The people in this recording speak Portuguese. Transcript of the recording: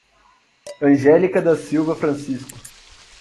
Angelica da Silva Francisco